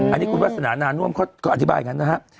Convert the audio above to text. อันนี้คุณวาสนานาน่วมเขาก็อธิบายอย่างนั้นนะครับ